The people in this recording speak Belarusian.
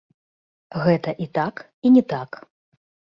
Гэта і так, і не так.